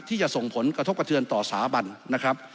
ที่จะส่งผลกระทบกระเทือนต่อสาบันนะครับ